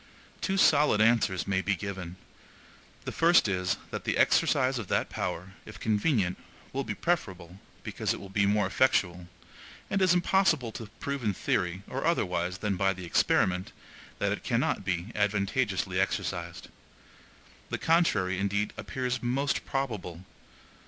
Two solid answers may be given. The first is, that the exercise of that power, if convenient, will be preferable, because it will be more effectual; and it is impossible to prove in theory, or otherwise than by the experiment, that it cannot be advantageously exercised. The contrary, indeed, appears most probable.